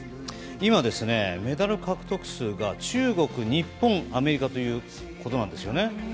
今、メダル獲得数が中国、日本、アメリカということなんですよね。